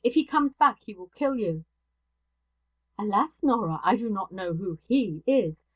If he comes back, he will kill you.' 'Alas, Norah! I do not know who "he" is.